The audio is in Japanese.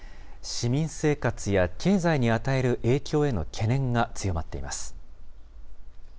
市民生活や経済に与える影響への懸念が強まっています。